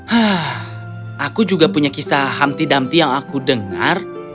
hah aku juga punya kisah hamti damti yang aku dengar